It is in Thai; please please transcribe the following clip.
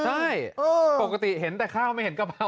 ใช่ปกติเห็นแต่ข้าวไม่เห็นกะเพรา